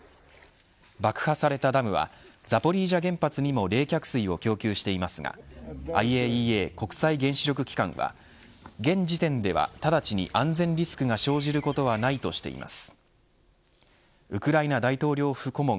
爆破されたダムはザポリージャ原発にも冷却水を供給していますがＩＡＥＡ国際原子力機関は現時点では直ちに安全リスクが生じることはないとしています。